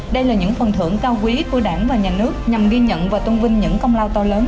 đây là những phần thưởng cao quý của đảng và nhà nước nhằm ghi nhận và tôn vinh những công lao to lớn